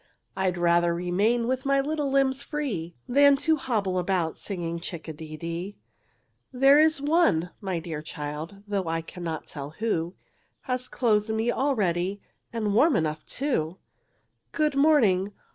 I'd rather remain with my little limbs free, Than to hobble about singing chick a de dee. "There is One, my dear child, though I cannot tell who, Has clothed me already, and warm enough, too. Good morning!